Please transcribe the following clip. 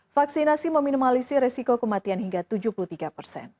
vaksinasi meminimalisi resiko kematian hingga tujuh puluh tiga persen